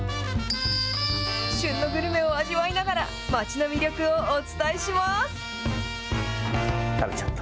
旬のグルメを味わいながら、町の魅力をお伝えします。